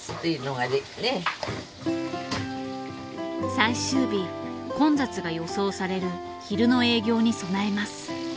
最終日混雑が予想される昼の営業に備えます。